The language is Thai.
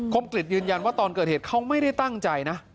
กริจยืนยันว่าตอนเกิดเหตุเขาไม่ได้ตั้งใจนะ